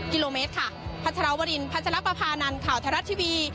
กิโลเมตรค่ะพัชรวรินพัชรปภานันข่าวไทยรัฐทีวี